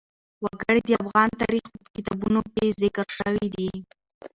وګړي د افغان تاریخ په کتابونو کې ذکر شوی دي.